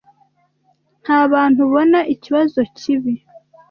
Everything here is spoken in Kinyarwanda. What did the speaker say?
Ntabantu ubona ikibazo cyibi.